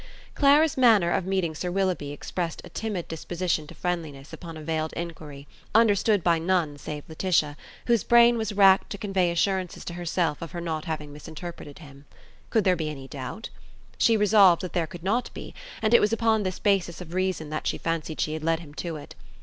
Clara's manner of meeting Sir Willoughby expressed a timid disposition to friendliness upon a veiled inquiry, understood by none save Laetitia, whose brain was racked to convey assurances to herself of her not having misinterpreted him. Could there be any doubt? She resolved that there could not be; and it was upon this basis of reason that she fancied she had led him to it.